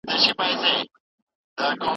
تيږه يې په اوبو کې وغورځوله.